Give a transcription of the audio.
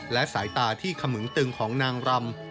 และสายตาที่ขมึงตึงของนางรำ